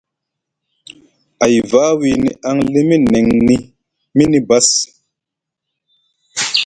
A yiva wini aŋ limi neŋ ni mini bass.